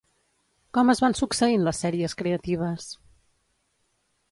Com es van succeint les sèries creatives?